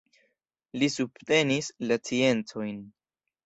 Li subtenis la sciencojn.